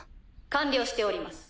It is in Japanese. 完了しております